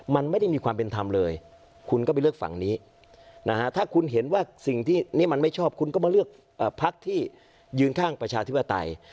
มันไม่ได้มีความเป็นธรรมเลยคุณก็ไปเลือกฝั่งนี้นะฮะถ้าคุณเห็นว่าสิ่งที่นี่มันไม่ชอบคุณก็มาเลือกพักที่ยืนข้างประชาธิปไตย